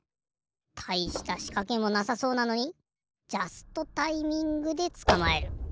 たいしたしかけもなさそうなのにジャストタイミングでつかまえる。